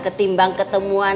ketimbang ketemuan aja kan